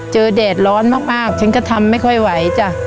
แดดร้อนมากฉันก็ทำไม่ค่อยไหวจ้ะ